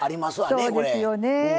そうですよねえ。